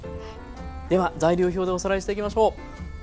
では材料表でおさらいしていきましょう。